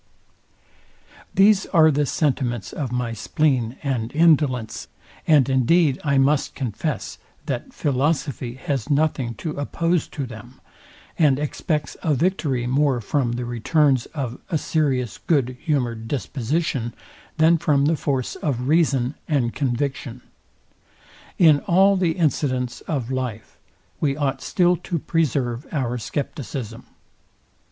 These are the sentiments of my spleen and indolence; and indeed I must confess, that philosophy has nothing to oppose to them, and expects a victory more from the returns of a serious good humoured disposition, than from the force of reason and conviction. In all the incidents of life we ought still to preserve our scepticism.